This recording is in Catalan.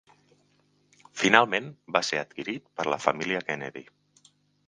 Finalment va ser adquirit per la família Kennedy.